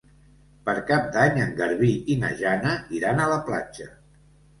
Per Cap d'Any en Garbí i na Jana iran a la platja.